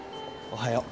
おはよう。